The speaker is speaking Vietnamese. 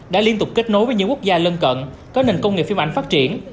đã liên tục kết nối với những quốc gia lân cận có nền công nghiệp phim ảnh phát triển